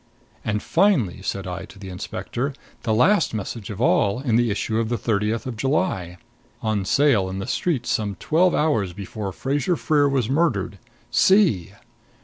"And finally," said I to the inspector, "the last message of all, in the issue of the thirtieth of July on sale in the streets some twelve hours before Fraser Freer was murdered. See!"